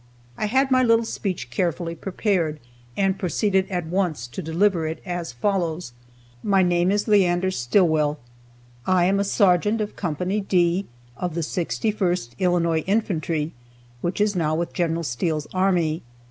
I had my little speech carefully prepared, and proceeded at once to deliver it, as follows: "My name is Leander Stillwell; I am a sergeant of Co. D, of the 61st Illinois Infantry, which is now with Gen. Steele's army.